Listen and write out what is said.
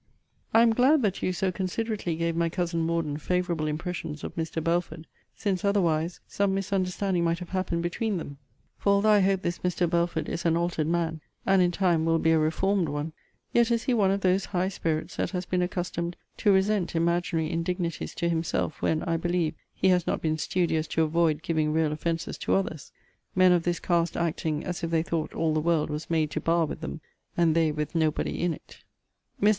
I am glad that you so considerately gave my cousin Morden favourable impressions of Mr. Belford; since, otherwise, some misunderstanding might have happened between them: for although I hope this Mr. Belford is an altered man, and in time will be a reformed one, yet is he one of those high spirits that has been accustomed to resent imaginary indignities to himself, when, I believe, he has not been studious to avoid giving real offences to others; men of this cast acting as if they thought all the world was made to bar with them, and they with nobody in it. Mr.